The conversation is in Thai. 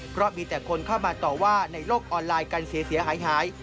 เพราะมีแต่คนเข้ามาต่อว่าในโลกออนไลน์กันเสียหาย